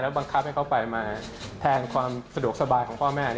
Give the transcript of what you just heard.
บังคับให้เขาไปมาแทนความสะดวกสบายของพ่อแม่